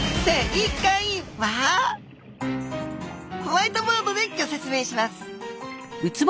ホワイトボードでギョ説明します！